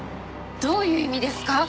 どういう意味ですか？